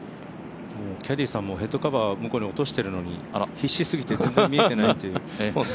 キャディーさんもヘッドカバー、向こうに落としてるのに必死すぎて全然見えてないっていう。